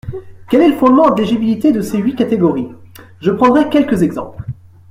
Quel est le fondement de l’éligibilité de ces huit catégories ? Je prendrai quelques exemples.